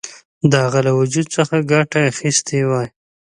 د هغه له وجود څخه ګټه اخیستې وای.